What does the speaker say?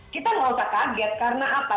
kita nggak usah kaget karena apa